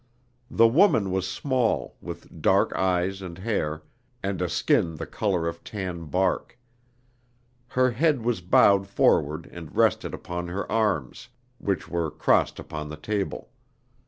The woman was small, with dark eyes and hair, and a skin the color of tan bark. Her head was bowed forward and rested upon her arms, which were crossed upon the table.